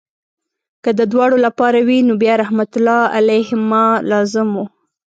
که د دواړو لپاره وي نو بیا رحمت الله علیهما لازم وو.